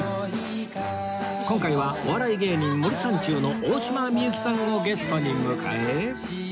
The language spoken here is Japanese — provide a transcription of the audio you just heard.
今回はお笑い芸人森三中の大島美幸さんをゲストに迎え